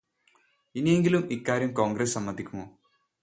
ഇനിയെങ്കിലും ഇക്കാര്യം കോൺഗ്രസ് സമ്മതിക്കുമോ?